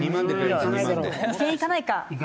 綾菜：「２０００円いかないか」